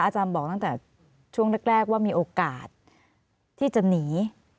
อาจารย์บอกตั้งแต่ช่วงแรกว่ามีโอกาสที่จะหนี